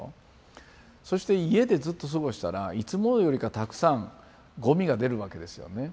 そして家でずっと過ごしたらいつもよりかたくさんゴミが出るわけですよね。